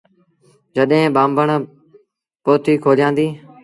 جڏهيݩ ٻآنڀڻ پوٿيٚ کولآيآندي۔